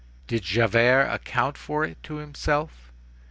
Did Javert account for it to himself?